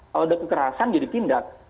kalau ada kekerasan jadi tindak